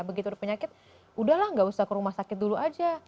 begitu ada penyakit udahlah nggak usah ke rumah sakit dulu aja